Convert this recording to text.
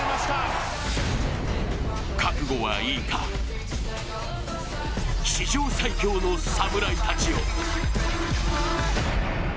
覚悟はいいか、史上最強の侍たちよ